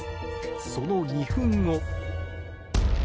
その２分後。